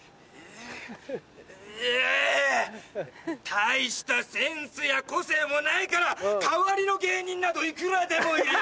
大したセンスや個性もないから代わりの芸人などいくらでもいる！